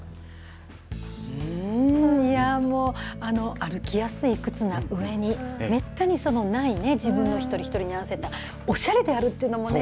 歩きやすい靴なうえにめったにない自分一人一人に合わせたおしゃれであるっていうのもね。